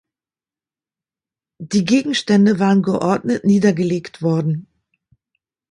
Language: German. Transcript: Die Gegenstände waren geordnet niedergelegt worden.